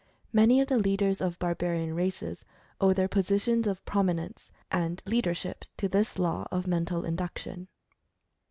Many of the leaders of barbarian races owe their po sitions of prominence and leadership to this law of mental induction.